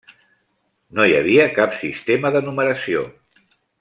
No hi havia cap sistema de numeració.